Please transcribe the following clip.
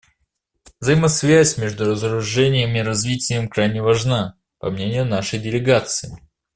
Взаимосвязь между разоружением и развитием крайне важна, по мнению нашей делегации.